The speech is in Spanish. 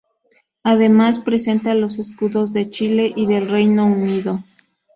Además presenta los escudos de Chile y del Reino Unido.